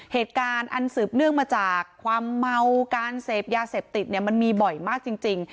เหตุการณ์อันสืบเนื่องมาจากความเมาการเสพยาเสพติดเนี่ยมันมีบ่อยมากจริง